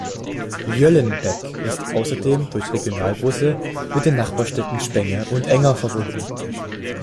Jöllenbeck ist außerdem durch Regionalbusse mit den Nachbarstädten Spenge und Enger verbunden.